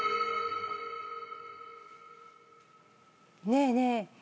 ねえねえ。